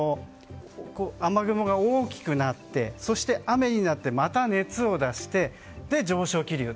雨雲が大きくなって、雨になってまた熱を出して、上昇気流。